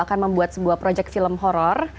akan membuat sebuah proyek film horror